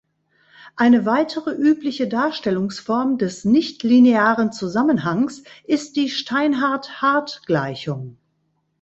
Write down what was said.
Eine weitere übliche Darstellungsform des nichtlinearen Zusammenhangs ist die Steinhart-Hart-Gleichung.